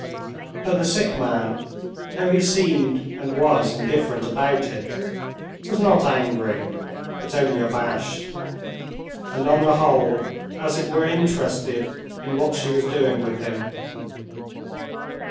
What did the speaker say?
But the sick man, though he seemed and was indifferent about it, was not angry, but only abashed, and on the whole as it were interested in what she was doing with him.